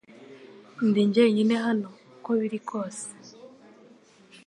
Ndi jyenyine hano uko biri kose